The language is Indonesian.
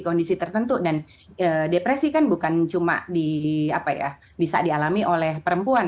kondisi tertentu dan depresi kan bukan cuma bisa dialami oleh perempuan